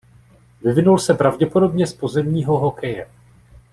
Vyvinul se pravděpodobně z pozemního hokeje.